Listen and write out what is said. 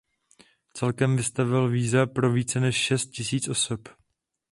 Celkem vystavil víza pro více než šest tisíc osob.